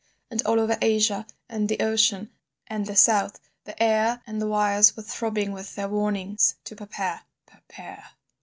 And, all over Asia, and the ocean, and the South, the air and the wires were throbbing with their warnings to prepare—prepare.